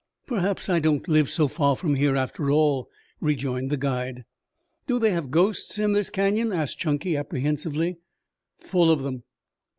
"Perhaps I don't live so far from here, after all," rejoined the guide. "Do they have ghosts in this canyon?" asked Chunky apprehensively. "Full of them!"